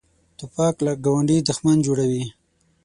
توپک له ګاونډي دښمن جوړوي.